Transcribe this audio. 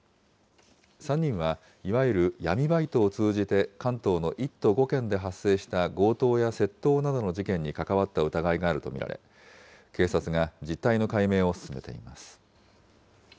３人はいわゆる闇バイトを通じて関東の１都５県で発生した強盗や窃盗などの事件に関わった疑いがあると見られ、警察が実態の解明を進めています。